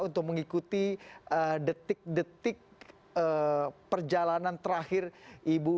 untuk mengikuti detik detik perjalanan terakhir ibu